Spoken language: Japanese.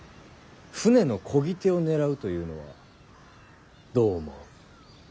舟のこぎ手を狙うというのはどう思う？